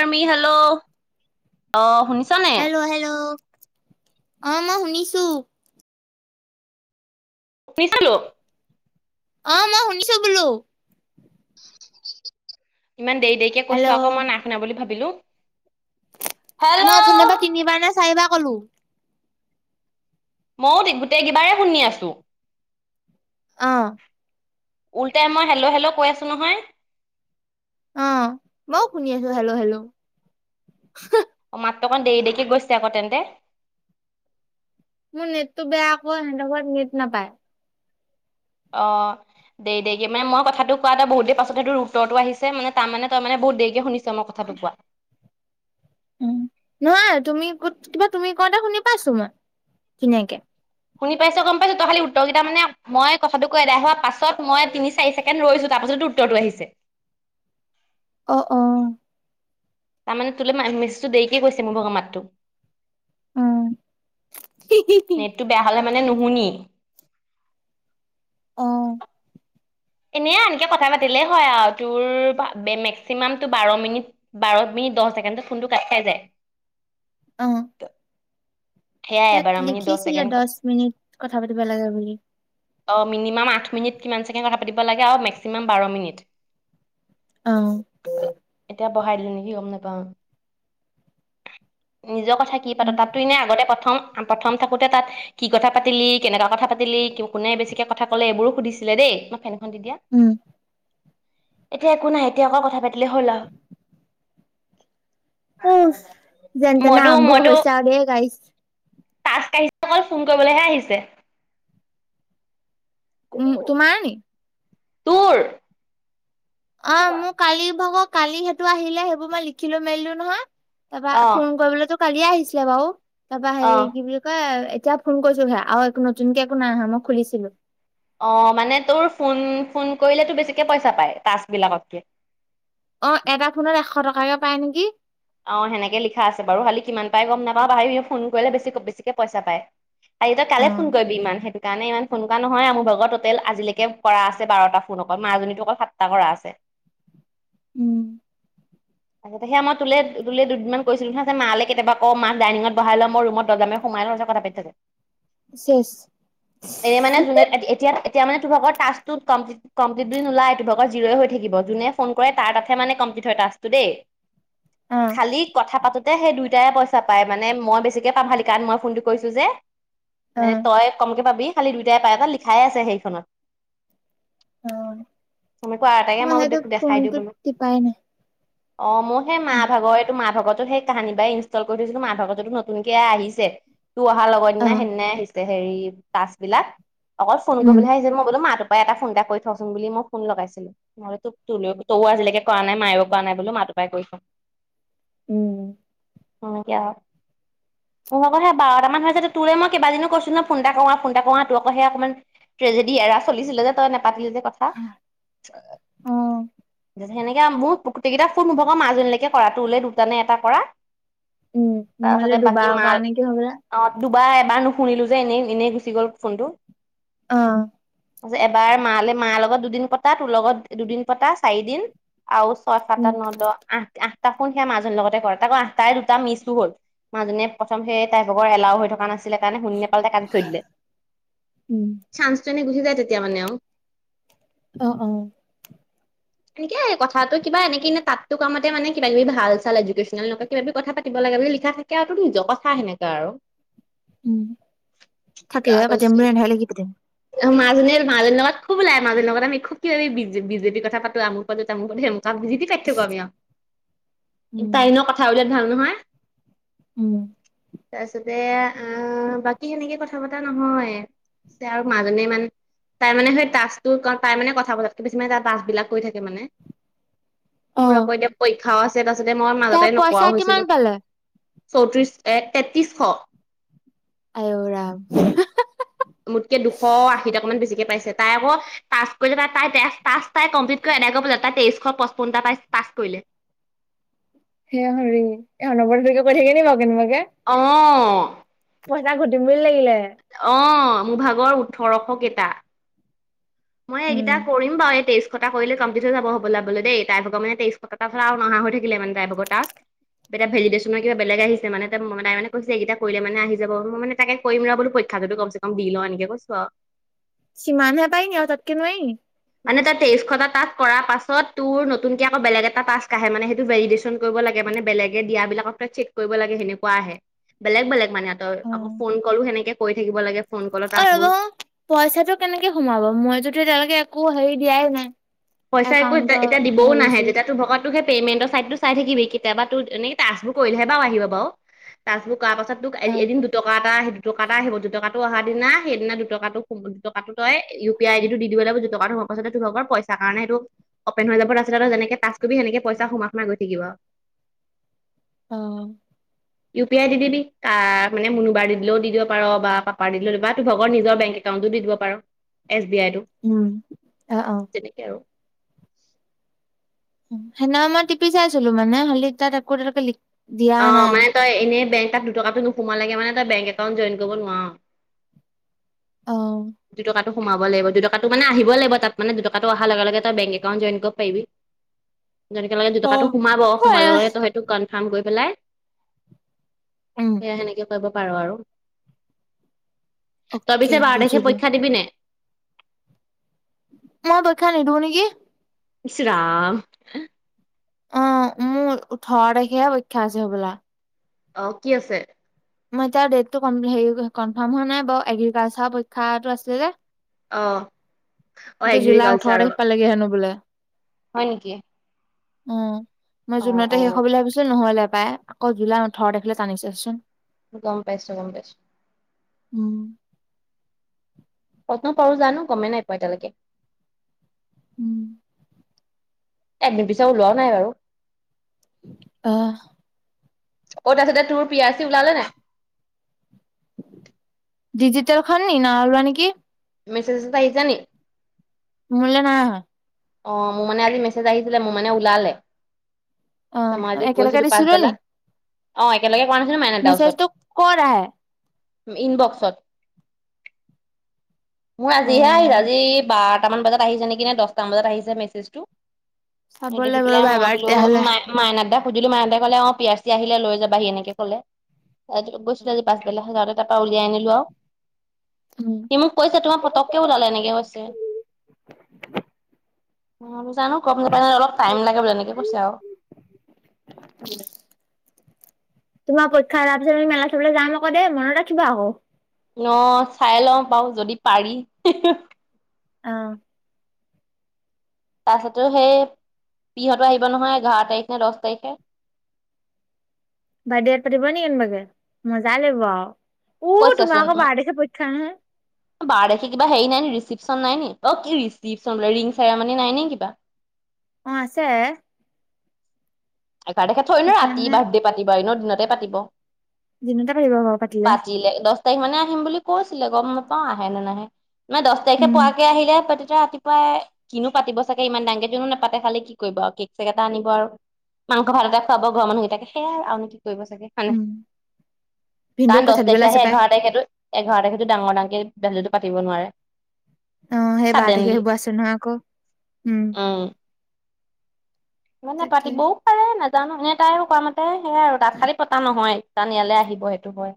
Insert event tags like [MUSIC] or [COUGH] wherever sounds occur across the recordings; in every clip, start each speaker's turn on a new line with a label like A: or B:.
A: Emi hello অহ।
B: Hello hello অ মই শুনিছোঁ।
A: [UNINTELLIGIBLE] চালোঁ।
B: অ মই শুনিছোঁ বোলো।
A: ইমান দেৰি দেৰি কৈছোঁ আকৌ
B: হেল্ল'
A: মই নাই শুনা বুলি ভাবিলোঁ।
B: মই ধন্যবাদ তিনিবাৰ নে চাৰিবাৰ কলোঁ।
A: মই গোটেইকেই বাৰেই শুনি আছোঁ।
B: অহ।
A: উল্টাই মই হেল্ল' হেল্ল' কৈ আছোঁ নহয়।
B: অ মই শুনি আছোঁ হেলো হেলো।
A: অ মাতটো অকণ দেৰি দেৰিকে গৈছে আকৌ তেন্তে।
B: মোৰ নেটটো বেয়া আকৌ সিহঁতৰ ঘৰত নেট নাপায়।
A: অ দেৰি দেৰিকে মানে মই কথাটো কোৱা এটা বহুত দেৰি পাছত সেই তোৰ উত্তৰটো আহিছে মানে তাৰ মানে তই মানে। বহুত দেৰিকে শুনিছোঁ মই কথাটো কোৱা।
B: উম নহয় তুমি ক'ত কিবা তুমি কওঁতে শুনি পাইছোঁ মই ধুনীয়াকে।
A: শুনি পাইছোঁ গম পাইছোঁ তই খালি উত্তৰ কেইটা মান মই কথাটো কোৱাৰ এৰাই হোৱা পাছত মই তিনি চাৰি ছেকেণ্ড ৰৈছোঁ তা। পাছতহে উত্তৰটো আহিছে।
B: অ অ।
A: তাৰমানে তোলৈ মেছেজটো দেৰিকে গৈছে মই ভাগৰ মাতটো।
B: অ
A: [UNINTELLIGIBLE] নেটটো বেয়া হলে। মানে নুশুনি।
B: অহ।
A: এনেই আনকে কথা পাতিলে হয় আৰু তোৰ মেক্সিমাম তোৰ বাৰ মিনিট বাৰ মিনি। দহ ছেকেণ্ডত ফোনটো কাট খাই যায়।
B: অহ।
A: সেয়াই
B: তাত
A: বাৰ মিনিট
B: লিখিছিলে
A: ছেকেণ্ড
B: দহ মিনিট কথা পাতিব লাগে বুলি।
A: অ, মিনিমাম আঠ মিনিট কিমান চেকেণ্ড কথা পাতিব লাগে আৰু মেক্সিমাম বাৰ মিনিট।
B: অ'
A: বহাই দিলে নেকি গম নাপাওঁ। নিজৰ কথা কি পাত,
B: উম
A: তাততো এনেই আগতে প্ৰথম প্ৰথম থাকোতে তাত কি কথা পাতিলি, কেনেকুৱা কথা পাতিলি, কোনে বেছিকে কথা ক'লে এইবোৰো সুধিছিলে দেই। খন দি দিয়া। এতিয়া একো নাই, এতিয়া অকল কথা পাতিলেই হ'ল আও।
B: উম যেন তেনে আৰম্ভ হৈছে আৰু দেই গাইজ।
A: [UNINTELLIGIBLE] ফোন কৰিবলৈহে আহিছে।
B: ও, তোমাৰ নি?
A: তোৰ?
B: অ, মোৰ কালি ভাগৰ কালি সেইটো আহিলে, সেইবোৰ মই লিখিলো মেলিলো নহয় তাপা,
A: অ
B: ফোন কৰিবলৈতো কালিয়ে আহিছিলে বাৰু, তাৰপা
A: অ
B: হেই, কি বুলি কয় এতিয়া ফোন কৰিছো হেয়া, আৰু একো নতুনকে একো নাই আহা, মই খুলিছিলো।
A: অ', মানে তোৰ ফোন, ফোন কৰিলে তোৰ বেছিকৈ পইচা পায়, টাস্কবিলাকতকৈ।
B: অ, এটা ফোনত এশ টকাকে পাই নেকি?
A: অ, সেনেকে লিখা আছে বাৰু, খালি কিমান পাই গম নাপাওঁ, [UNINTELLIGIBLE] ফোন কৰিলে বেছি বেছিকে পইচা পায়। আও এতিয়া কালে ফোন
B: অ',
A: কৰিবি ইমান সেইটো কাৰণে ইমান ফোন কৰা নহয় আও মোৰ ভাগৰ, টোটেল আজিলৈকে কৰা আছে বাৰটা ফোন অকল, মাজনীতো অকল সাতটা কৰা আছে।
B: উম,
A: আগতে সেয়া মই তোলে এদিন নে দুদিনমান কৰিছিলো নহয়, তাৰছত মা লে কেতিয়াবা কও, মাক ডাইনিঙত বহাই লওঁ, মই ৰুমত দৰ্জা মাৰি সোমাই লওঁ, তাছত কথা পাতি থাকো।
B: চেচ।
A: এনে মানে জোনে, এত এতিয়া তিয়া মানে তোৰ ভাগৰ টাস্কটো কমপ্লিট কম্প্লিট বুলি নোলায়। তোৰ ভাগৰ জিৰ ই হৈ থাকিব। জোনে ফোন কৰে, তাৰ তাতহে মানে কম দি থৈয় ষ্টাট টো দেই
B: অ',
A: খালি কথা পাতোতে সেই দুইোটাই পইচা পায়, মানে মই বেছিকে পাম খালি কাৰণ মই ফোনটো কৰিছোঁ যে মানে
B: অ',
A: তই কমকে পাবি খালি দুইটাই পায়। তাত লিখাই আছে সেইখনত
B: অ',
A: তমি কোৱা আটাইকে মই
B: সেইটো
A: দেখাই দিওঁ
B: ফোনটোত
A: বোলোঁ।
B: টিপাই নাই।
A: অ' মোৰ সেই মা অ' এইটো মা ভাগতো সেই তাহানিবা ইনষ্টল কৰি থৈছিলোঁ। মা ভাগতোত নতুনকে আহিছে। তোৰ অহাৰ লগৰ দিনা
B: অ',
A: সেইদিনাই আহিছে। হেৰি ত্ৰাছ বিলাক অকল ফোন
B: উম,
A: কৰিবলৈ আহিছে মই বোলোঁ মা টোৰপা তাই এটা ফোন এটা কৰি থওঁচোন বুলি। মই ফোন লগাইছিলোঁ নহ'লে তোক তো তৌও আজিলৈকে কৰা নাই মাইয়ো কৰা নাই বোলোঁ মাত পাই কৰি থওঁ
B: উম।
A: অ' এতিয়া তোৰক মই অকন বাৰটাম মান হৈছে তোৰলৈ মই কেইবাদিনো কৈছো ন ফোন এটা কৰোঁ আহ ফোন এটা কৰোঁ তোৰ অ'ক সেই অকণমান ট্ৰেজেডি এৰা চলিছিলে যে তই নোপাতিলি যে কথা
B: অ',
A: সেনেকে মোৰ গোটেইকেইটাক ফোন মোভাগক মাজনীলৈকে কৰা টোলে দুটা নে এটা কৰা
B: উম,
A: তাৰপাছতে
B: মোলৈ
A: বাকী
B: দুবাৰৰ
A: মাল
B: কৰা নেকি হ'বলা।
A: অ দুবাৰ এবাৰ নুশুনিলোঁ যে এনেই এনেই গুচি গ'ল ফোনটো।
B: অহ'
A: যে এবাৰ মা মাৰ লগত দুদিন পতা তোৰ লগত দুদিন পতা চাৰিদিন আৰু ছয়
B: উম,
A: সাতটা ন দহ আঠ আঠ তাকো সেয়া মাজনীৰ লগতে কৰা, তাকো আঠটাই তাই দুটা মিচো হ'ল মাজনীয়ে প্ৰথম সেই তাই গ্ৰুপৰ এলাও হৈ থকা নাছিল। কাৰণে শুনি নোপালে কাটি থৈ দিলে।
B: উম,
A: চাঞ্চ টো এনেই গুচি যাই তেত তেতিয়া মানে আও
B: অ' অ'।
A: এনেকেই কথাটো কিবা এনেকেই নে তাতটো কোৱামতে মানে কিবা কিবি ভাল, চাল এডুকেচনেল কিবা কিবি কথা পতিব লাগে বুলি লিখা থাকে আৰু টোৰ নিজৰ কথা সেনেকা আৰু
B: উম থাকি হে পতিম বোৰহে [UNINTELLIGIBLE] লাগিব তিম
A: অ মাজনীৰ মাজনীৰ লগত খুব ওলাই মাজনীৰ মাজনী লগত আমি খুব ওলায়, মাজনীৰ লগত আমি খোব কিবা কিবি বিজেপিৰ কথা পাতো আমুক পাতো তামোকত হেবো ত বিজেপি টাইপকে পাবি আও
B: উম
A: তাই এনেও কথাবিলাক ভাবিব নোৱায়ে
B: উম
A: তাৰপিছতে আহ বাকী সেনেকে কথা পতা নহয় তাই মাজনীয়ে মানে তাই মানে সেই টাস্ক টোৰ কাৰণ তাই মানে কথা বোৰতকে বেছি মানে তাই টাস্ক বিলাক কৰি থাকে মানে মোৰ
B: অ'
A: আকৌ এতিয়া পৰীক্ষ টে তা পাচতে মই মাজতে
B: তাৰ পইচা
A: নোকোৱাও
B: কিমান
A: হৈছিলো
B: পালে?
A: চৌত্ৰিছ এক তেত্ৰিছশ
B: অঔ ৰাম হা হা হা
A: মোতকে দুশ আশী টকা মান বেছিকে পাইছে তাই আকৌ টাস্ক কৰিছে তাই তাই টাস্ক কমপ্লিট কৰি তাই কৈ পেলাই তাই তেইশ পঁচপন্নটা পাইছ পাছ কৰিলে
B: হে হৰি এ অনবৰতে কি থাকে নি বাৰু কেনোবাক
A: অঁ
B: পইচা ঘটিম বুলি লাগিলে
A: অ মোৰ ভাগৰ ওঠৰশ কেইটা মই
B: উম
A: এইকেইটা কৰিম বাৰু এই তেইশ কটা কৰিলে কমপ্লিট হৈ যাব হবলা বলে দেই তাই ভাগৰ মানে তেইশ টকাৰ পৰা নহা হৈ থাকিল মানে তাই ভাগৰ টাস্ক এতিয়া ভেলিডেশ্যনৰ কিবা বেলেগ আহিছে মানে তাই মানে কৈছে এইগিটা কৰিলে মানে আহি যাব মই মানে তাকে কৰিম ৰ বুলি কৈ পৰিক্ষাটো কমচে কম দি লও এনেকে কৈছো আৰু
B: সিমান হে পাৰি নি আৰু তাতকে নোৱাৰি নি
A: মানে তাৰ তেইশটা টাস্ক কৰাৰ পাছত তোৰ নতুনকে আকৌ বেলেগ এটা টাস্ক আহে মানে সেইটো ভেলিডেশ্যন কৰিব লাগে মানে বেলেগে দিয়াবিলাকক তই চেক কৰিব লাগে সেনেকুৱা আহে বেলেগ বেলেগ মানে তই আকৌ
B: অ'
A: ফোন কলো সেনেকে কৰি থাকিব লাগে ফোন কলৰ
B: অ
A: টাস্কবোৰ
B: ৰ'ব পইচাটো কেনেকে সোমাব মই যদি এতিয়ালেকে একো হৰি দিয়াই নাই
A: পইচা একো
B: একাউণ্টৰ
A: এতিয়া দিবও
B: হেৰি
A: নাহে
B: চেৰি
A: যেতিয়া তো ভকত সেই পেমেন্টৰ চাইটটো চাই থাকিবি কেতিয়াবা তো এনে টাস্কবোৰ কৰিলেহে বাৰু আহিব বাৰু টাস্কবো কৰাৰ পাছত তোক এ
B: অ'
A: এদিন দুটকা এটা আহিব দুটকা এটা আহিব দুটকা অহা দিনা সেইদিনা দুটকা টো দুটকাটো তই ইউ পি আই ডিটো দি দিব লাগিব দুটকাটো সুমুৱাৰ পিছতহে তোৰভাগৰ পইচা তাৰ কাৰণে এইটো অপেন হৈ যাব তাৰপিছত তই যেনেকে টাস্ক কৰিবি সেনেকে পইচা সোমাই সোমাই গৈ থাকিব আও [UNINTELLIGIBLE]
B: অ
A: ইউ পি আই দি দিবি তা মানে মুবাৰ দি দিলেও দি দিব পাৰ বা পাপাৰ দিলে দিব পাৰ বা তোৰ নিজৰ ভাগৰ বেংক এক ততো দি দিব পাৰ এছ বি
B: উম অ অ
A: অ
B: সেদিনা মই টিপি চাই আছিলো মানে হ'লি তাত একো এতিয়ালেকে লি
A: অ মানে তই এনেই বেংক তাত দুটকাটো নোসোমালৈকে মানে তই বেংক একাউণ্ট জইন কৰিব নোৱাঅ
B: অ'
A: দুটকা সোমাব লাগিব দুটকা মানে আহিব লাগিব তাত মানে দুটকাটো অহাৰ লগে লগে তই বেংক একাউণ্ট জইন কৰিব পাৰিবি যেনেকে ল দুটকাটো
B: অ'
A: সোমাব সোমাই
B: হয়
A: লৈ সেইটো কনফাৰ্ম কৰি পেলাই
B: উম
A: সেয়া সেনেকে কৰিব পাৰ আৰু তই
B: অকে
A: পিছে বাৰ তাৰিখে
B: বুজিলো
A: [UNINTELLIGIBLE]
B: মই পৰিক্ষা নিদো নিকি
A: ইচ্ ৰাম
B: অ মোৰ ওঠৰ তাৰিখেহে পৰিক্ষা আছে হ'বলা
A: অ কি আছে
B: ন তাৰ ডেটটো কম হেই কমৰ্ফম হোৱা নাই বাও এগ্ৰিকালছাৰ পৰিক্ষাটো আছে যে
A: অহ,
B: সেইটো জুলাই ওঠৰ তাৰিখ পালেগে হেনো বোলে।
A: হয় নেকি?
B: উম, মই
A: অ
B: জুনতে
A: অ
B: শেষ হব বুলি ভাবিছো নহলে। পাই আকৌ জোলা ওঠৰ দেখিলে টানিছেচোন।
A: গম পাইছো, গম পাইছো।
B: উম,
A: কত্ন পাৰো জানো গমেই নাই পোৱা এতিয়ালৈকে।
B: উম,
A: এডমিনট পিছত ওলোৱা নাই বাৰু।
B: আহ,
A: অ' তাৰপছতে তোৰ পি আৰ চি ওলালে নাই?
B: ডিজিটেল খন নাইওলোৱা নেকি?
A: মেছেজত এটা আহিছে নি?
B: মুলে নাই আহা।
A: অ' মোৰ মানে আজি মেছেজ আহিছিলে মোৰ মানে ওলালে।
B: অ
A: ধেমাজি
B: একেলগে
A: গৈছিলো
B: দিছিলো
A: পাছবেলা
B: নি
A: অ' একেলগে কৰা নাছিলো মাইনাদাৰ ওচৰত
B: মেছেজটো কত আহে
A: ইনবক্সত মোৰ
B: অ।
A: আজিহে আহে আজি বাৰ এটামান বজাত আহিছে নেকি নে দহটা মান বজাত আহিছে মেছেজটো।
B: চাব
A: দেখি
B: লাগিব
A: পেলাই
B: ৰ'বা
A: মই
B: এবাৰ
A: বোলো
B: তেতিয়াহ'লে
A: মাই মাইনাডা সুধিলো মাইনা দা কলে অ' পি আৰ চি আহিলে লৈ যাবাহি এনেকে কলে গৈছিলেজি পাছবেলাতে। তাৰাপ পৰা উলিয়াই আনিলো আৰু।
B: উম।
A: সি মোক কৈছো তোমাৰ পতককে ওলালে এনেকে কৈছে। অ', জানো গম নাপাই ন অলপ টাইম লাগে বুলি এনেকে কৈছে আৰু।
B: তোমাৰ পৰীক্ষা তাৰ পিছত আমি মেলা চাবলৈ যাম আকৌ দেই মনত ৰাখিবা আকৌ।
A: ন চাই লওঁ বাৰও যদি পাৰি।
B: অহ,
A: তাৰপিছতো সেই বিহতো আহিব নহয় এঘাৰ তাৰিখ নে দহ তাৰিখে। [INAUDIBLE]
B: বাৰ তাৰিখে পাতিব নে কনবাগে মজা লাগিব। উ,
A: কৈছাচোন
B: তোমাৰ আকৌ বাৰ তাৰিখে পৰীক্ষা নহয়।
A: বাৰ তাৰিখে কিবা হেৰি নাই ন ৰিচিপশন ন নি অ' কি ৰিচিপশন বোলে ৰিং চেমনি নাই নে কিবা? [INAUDIBLE]
B: অ আছে।
A: এঘাৰ তেখেত থৈ আহিম ন ৰাতি
B: সেইকাৰণে
A: বাৰ্থডে পাতিব এনেও দিনতে পাতিব।
B: দিনতে পাতিব বাৰু পাতিলে।
A: তাৰিখ মানে আহিম বুলি কৈছিলে গম নাপাওঁ আহে নে নাহে মানে দহ তাৰিখে
B: উম,
A: পোৱাকে আহিলে পা ৰাতিপুৱাই কিনো পাতিব চাগে ইমান ডাঙৰকে নেপাতে খালে কি কৰিব আৰু কেক চেক এটা আনিব আৰু। মাংস ভাত এটা খুৱাব গৰ মানুহ এটাকে সেয়া আৰু। কৰিব চাগে হয় নে
B: উম। ভিনদেউক
A: কাৰণ
B: পইচা
A: দহ তাৰিখে
B: দিবলৈ আছে
A: আহে
B: পাই।
A: এঘাৰ তাৰিখেতো এঘাৰ তাৰিখ। ডাঙৰ-ডাঙকে ভেলুটো পাতিব নোৱাৰে।
B: অহ, সেই বাৰ দেখি
A: চাডেনলি
B: হব আছে নহয় আকৌ। উম,
A: মানে
B: তাকে।
A: পাতিবও পাৰে নাজানো, এনে তাই কোৱা মতে সেয়াই আৰু দাঁতশালী পতা নহয়। কাৰণ ইয়ালৈ আহিব সেইটো হয়,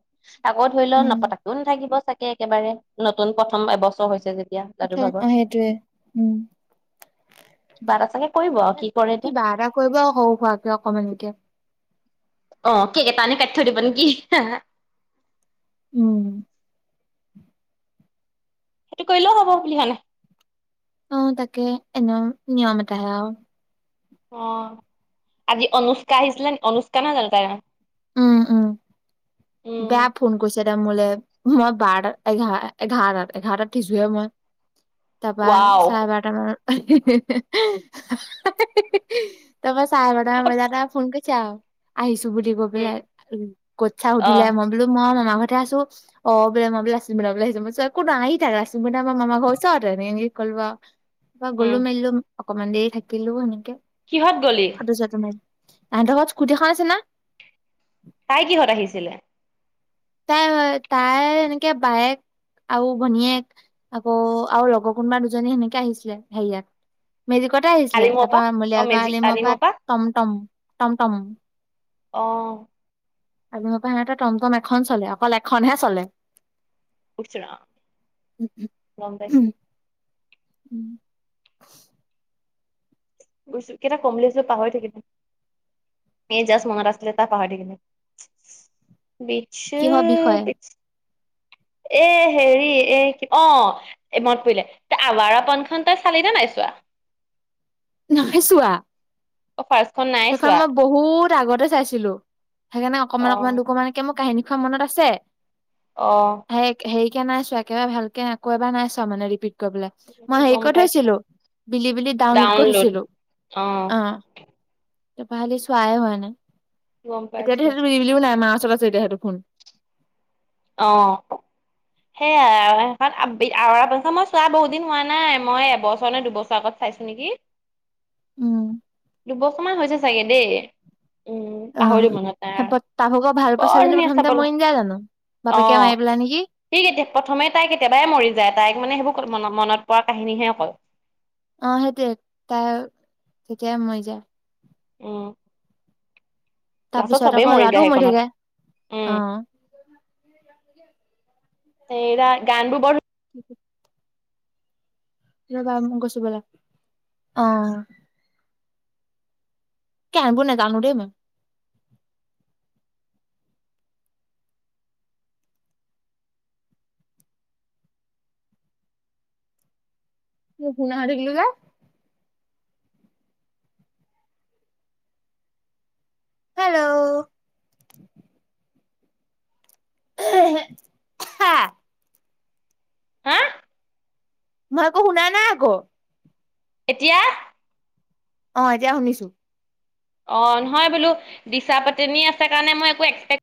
A: আকৌ ধৰি লও
B: উম,
A: নপতাকেও নাথাকিব চ একেবাৰে নতুন প্ৰথম এবছৰ হৈছে য এতিয়া
B: প্ৰথম
A: যাদুভাগৰ
B: অ', সেইটোৱে। উম।
A: কিবা এটা চাগে কৰিব আৰু কি কৰে এতিয়া
B: কিবা এটা কৰিব আৰু সৰু সুৱাকে অকমানি কে।
A: অ' কেক এটা আনি কাটি থৈ দিব নেকি?
B: উম।
A: সেইটো কৰিলেও হ'ব বুলি হোৱা [UNINTELLIGIBLE]
B: অ', তাকে এনেও নিয়ম এটাহে আৰু।
A: অ', আজি অনুষ্কা আহিছিলে, অনুষ্কা নহয় জানো তাইৰ‌ নাম?
B: উম, উম।
A: উম
B: বেয়া ফোন কৰিছে তাই মোলে। মই বাৰটা, এঘাৰ, এঘাৰতা-এঘাৰতাত উঠিছোঁহে মই। তাপা
A: ৱাও
B: চাৰে বাৰটা মানত তাপা চাৰে বাৰটা‌ মান বজাৰ আৰু ফোন কৰিছে আৰু, আহিছোঁ বুলি কৈ
A: উম
B: পেলাই [UNINTELLIGIBLE] উঠিলে
A: অ'।
B: মই বোলো মই মামাৰ ঘৰতহে আছোঁ অ', বোলে মই বোলে [UNINTELLIGIBLE] আহিছোঁ একো নহয় আহি থাকা [UNINTELLIGIBLE] মামাৰ ঘৰ ওচৰতে ক'লো আৰু গ'লো,
A: উম
B: মেলিলোঁ অকমান দেৰি থাকিলোঁ সেনেকে।
A: কিহঁত গলি?
B: তাহাতৰ ঘৰত স্কুটি এখন আছে না।
A: তাই কিহঁত আহিছিলে?
B: তাই, তাই এনেকে বায়েক আৰু ভনীয়েক আকৌ আৰু লগৰ কোনোবা দুজনী সেনেকে আহিছিলে হেৰিয়াত। মেজিকতে আহিছিলে।
A: আলিমৰ পৰা
B: তাৰপা
A: অ'
B: মলিয়াগাওঁ
A: মেজিক
B: আলিমৰ পৰা টমটম, টমটম।
A: অ'।
B: [UNINTELLIGIBLE] সিহঁতৰ টমটম এখন চলে, অকল এখনহে চলে।
A: ইচ ৰাম, গম পাইছোঁ।
B: উম।
A: বুজিছোঁ, কিবা এটা কম বুলি ভাবিছিলোঁ পাহৰি থাকিলোঁ। এ, জাষ্ট মনত আছিলে পাহৰি থাকিলোঁ।
B: কিহৰ বিষয়ে
A: [UNINTELLIGIBLE] এ, হেৰি এ, অ', এ মনত পৰিলে তে আভাৰা পনখন তই চালি নে নাই চোৱা? [INAUDIBLE]
B: নাহে চোৱা।
A: অ ফাৰ্ষ্টখন নাই
B: সেইখন
A: চোৱা
B: মই বহুত আগতে চাইছিলো সেইকাৰণে অকমান
A: অ
B: অকমান দুকমানকে মোৰ কাহিনী খ মনত আছে?
A: অ
B: হে, হে কে নাই চোৱা, একেবাৰে ভালকে আকৌ এবাৰ নাই চোৱা মানে ৰিপিট কৰিবলে মই হেৰি
A: গম
B: কৈ
A: পাইছো
B: থৈছিলোঁ, বিলি বিলি ডাউনলোড কৰিছিলোঁ।
A: অ'।
B: তপা হালি চোৱাই হোৱা নাই,
A: গম
B: এতিয়াটো
A: পাইছো
B: [UNINTELLIGIBLE] নাই আৰু। চলাছে এতিয়া সেইটো ফোন।
A: অহ। সেয়াৰা অপ আৰা পইচা মই চোৱা বহুত দিন হোৱা নাই মই এবছৰ নে দুবছৰ আগত চাইছোঁ নেকি।
B: উম।
A: দুবছৰমান হৈছে চাগে দেই। উম,
B: অ',
A: পাহৰি মনত নাই আৰু
B: তাহুকৰ ভাল পোৱা
A: বৰ
B: ছোৱালীজনী
A: ধুনীয়া
B: প্ৰথমতে
A: চাবলে।
B: মৰি নাযায় জানো? বাপেকে মাৰি
A: অ',
B: পেলাই নেকি?
A: এ এতিয়া প্ৰথমে তাই কেতিয়াবাই মৰি যায়, তাইক মানে সেইবোৰ ক' মন-মনত পৰা কাহিনীহে অকল।
B: অ', সেইটোৱে তাই তেতিয়াই মৰি যায়।
A: উম। লাষ্টত
B: তাৰপিছত
A: চবেই
B: আকৌ
A: মৰি
B: ল'ৰাটোও
A: যায় সেইখনত,
B: থাকে।
A: উম।
B: অ',
A: এইটা গানবোৰ বৰ
B: [INAUDIBLE] [UNINTELLIGIBLE] গচিবলে অ'। কে আগু নেকান্দুদে মই। [UNINTELLIGIBLE] হেল্লো' হা
A: হা
B: মই একো শুনা নাই আকৌ।
A: এতিয়া।
B: অ এতিয়া শুনিছো।
A: অ নহয় বোলো দিচা পাতনী আছে কাৰণে মই একো এক্স্